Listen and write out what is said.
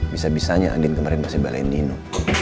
bisa bisanya andin kemarin masih balen nino